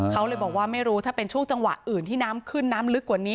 เขาเลยบอกว่าไม่รู้ถ้าเป็นช่วงจังหวะอื่นที่น้ำขึ้นน้ำลึกกว่านี้